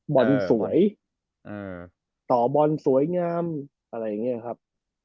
บอลสวยต่อบอลสวยงามอะไรอย่างนี้ครับ